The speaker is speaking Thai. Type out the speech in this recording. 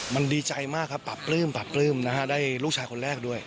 มันดีใจมากครับแปบปลื้มได้ลูกชายคนแรกด้วย